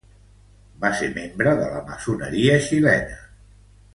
Va ser membre de la maçoneria xilena.